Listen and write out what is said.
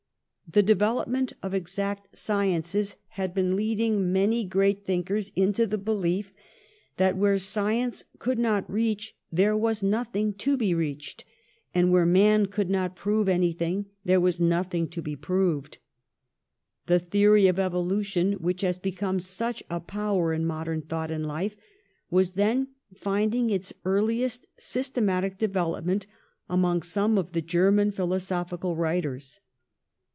The development of exact science had been leading many great thinkers into the belief that where science could not reach there was nothing to be reached, and where man could not prove anything there was nothing to be proved. The theory of evolution, which has become such a power in modern thought and life, was then finding its earliest systematic development among some of the German philosophical writers.